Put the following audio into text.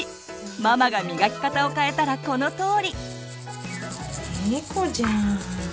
ママがみがき方を変えたらこのとおり。